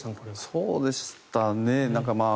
そうでしたね。